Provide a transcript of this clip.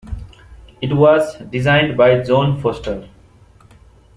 It was designed by John Foster.